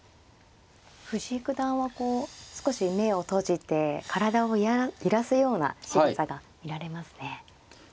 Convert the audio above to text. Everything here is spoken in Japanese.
藤井九段はこう少し目を閉じて体を揺らすようなしぐさが見られますね。